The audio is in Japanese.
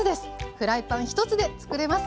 フライパン１つでつくれます。